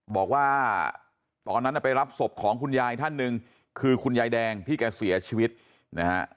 บอกว่าตอนนั้นไปรับศพของคุณยายท่านหนึ่งคือคุณยายแดงที่แกเสียชีวิตนะฮะ